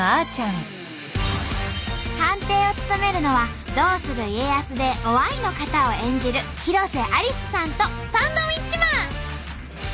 判定を務めるのは「どうする家康」で於愛の方を演じる広瀬アリスさんとサンドウィッチマン。